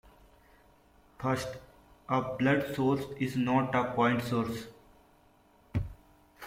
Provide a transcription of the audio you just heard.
First, a blood source is not a point source.